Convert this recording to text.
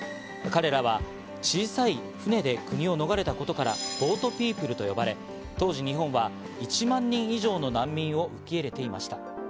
彼らは小さい船で国を逃れたことからボートピープルと呼ばれ、当時日本は１万人以上の難民を受け入れていました。